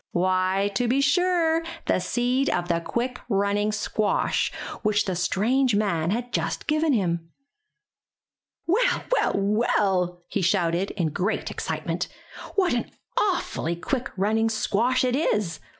Why, to be sure, the seed of the quick running squash, which the strange man had just given him. Well, well, well!'' he shouted, in great excitement, ''what an awfully quick running squash it is.